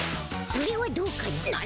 それはどうかな。